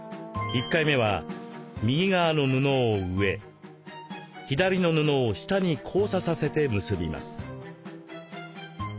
１回目は右側の布を上左の布を下に交差させて結びます。